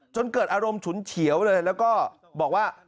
จนเกิดอารมณ์ฉุนเฉียวเลยแล้วก็บอกว่า